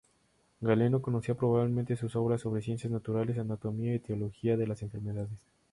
Galeno conocía probablemente sus obras, sobre ciencias naturales, anatomía y etiología de las enfermedades.